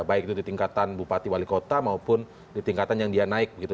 baik itu di tingkatan bupati wali kota maupun di tingkatan yang dia naik begitu